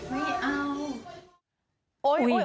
ไม่เอา